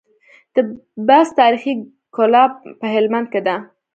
د بست تاريخي کلا په هلمند کي ده